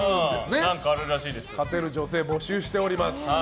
勝てる女性募集しております。